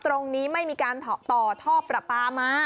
ตรงนี้ไม่มีการต่อท่อประปามา